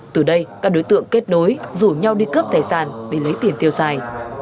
từ đây các đối tượng kết nối rủ nhau đi cướp tài sản để lấy tiền tiêu xài